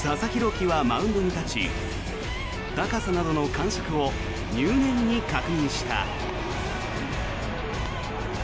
希はマウンドに立ち高さなどの感触を入念に確認した。